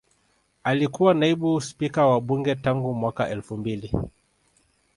Alikuwa Naibu Spika wa Bunge tangu mwaka elfu mbili